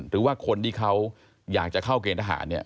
หรือว่าคนที่เขาอยากจะเข้าเกณฑ์ทหารเนี่ย